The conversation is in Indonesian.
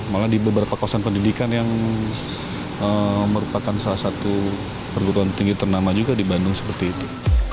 malah di beberapa kawasan pendidikan yang merupakan salah satu perguruan tinggi ternama juga di bandung seperti itu